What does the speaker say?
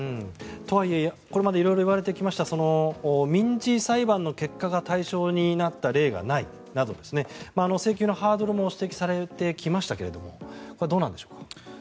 とはいえこれまで色々言われてきました民事裁判の結果が対象になった例がないなど請求のハードルも指摘されてきましたけどこれはどうなんでしょうか。